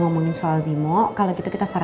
mungkin aku udah bikin kamu kesel